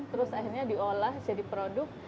terus akhirnya diolah jadi produk